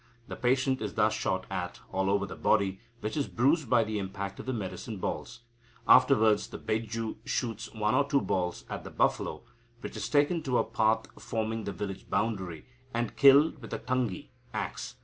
The patient is thus shot at all over the body, which is bruised by the impact of the medicine balls. Afterwards the Beju shoots one or two balls at the buffalo, which is taken to a path forming the village boundary, and killed with a tangi (axe).